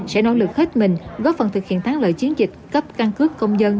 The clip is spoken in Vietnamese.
sẽ nỗ lực hết mình góp phần thực hiện thắng lợi chiến dịch cấp căn cước công dân